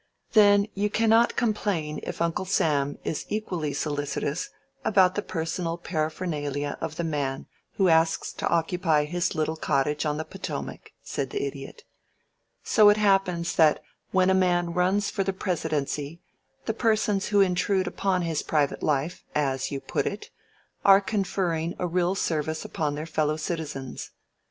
"Then you cannot complain if Uncle Sam is equally solicitous about the personal paraphernalia of the man who asks to occupy his little cottage on the Potomac," said the Idiot. "So it happens that when a man runs for the Presidency the persons who intrude upon his private life, as you put it, are conferring a real service upon their fellow citizens.